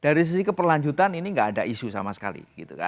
dari sisi keperlanjutan ini nggak ada isu sama sekali